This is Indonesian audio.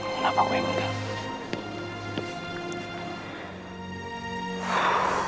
kenapa gue mau dia